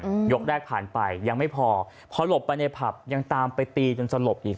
อืมยกแรกผ่านไปยังไม่พอพอหลบไปในผับยังตามไปตีจนสลบอีก